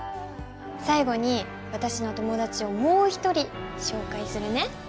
最後に私の友達をもう１人、紹介するね。